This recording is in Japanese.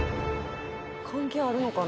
関係あるのかな？